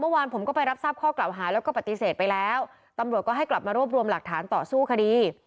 เมื่อวานผมก็ไปรับทราบข้อกล่าวหาแล้วก็ปฏิเสธไปแล้วตำรวจก็ให้กลับมารวบรวมหลักฐานต่อสู้คดี